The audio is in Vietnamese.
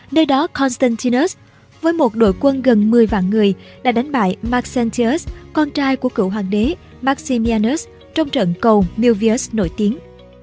nơi đó constantinus với một đội quân gần một mươi vạn người đã đánh bại marcelters con trai của cựu hoàng đế maximianus trong trận cầu meos nổi tiếng